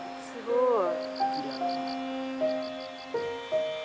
すごい！